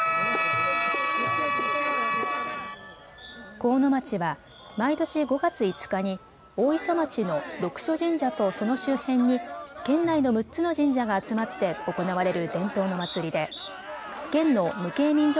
国府祭は毎年５月５日に大磯町の六所神社とその周辺に県内の６つの神社が集まって行われる伝統の祭りで県の無形民俗